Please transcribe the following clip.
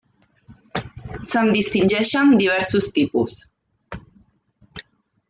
Se'n distingeixen diversos tipus.